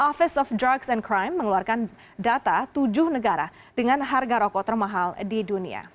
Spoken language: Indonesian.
office of drugs and crime mengeluarkan data tujuh negara dengan harga rokok termahal di dunia